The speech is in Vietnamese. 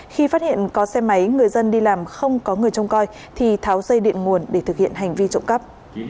khi phát hiện có xe máy người dân đi làm không có người trông coi thì tháo dây điện nguồn để thực hiện hành vi trộm cắp